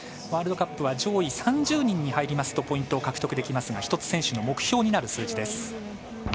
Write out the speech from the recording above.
ワールドカップは上位３０人に入りますとポイントを獲得できますが１つ選手の目標となる数字です。